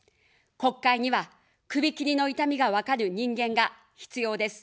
国会には、首切りの痛みが分かる人間が必要です。